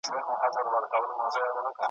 له غړومبي د تندر ټوله وېرېدله ,